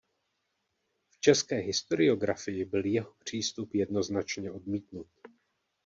V české historiografii byl jeho přístup jednoznačně odmítnut.